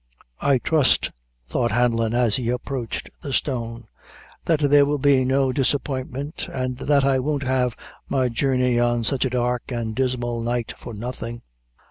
"I trust," thought Hanlon, as he approached the stone, "that there will be no disappointment, and that I won't have my journey on sich a dark and dismal night for nothing.